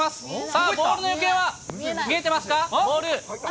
さあ、ボールの行方は、見えてますか、ボール。